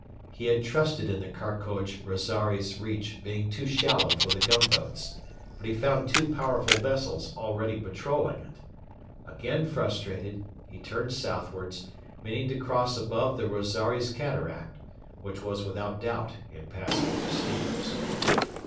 He had trusted in the Karkoj Rosaires reach being too shallow for the gunboats; but he found two powerful vessels already patrolling it. Again frustrated, he turned southwards, meaning to cross above the Rosaires Cataract, which was without doubt impassable to steamers.